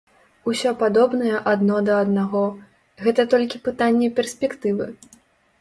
Усё падобнае адно да аднаго, гэта толькі пытанне перспектывы.